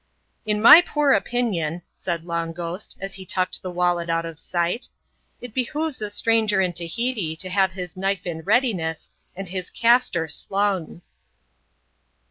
" In my poor opinion," said Long Ghost, as he tucked the wallet out of sight, " it behooves a stranger in Tahiti to have jiis knife in readiness, and hia caB\«x slvm^.''